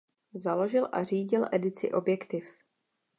Založil a řídil edici Objektiv.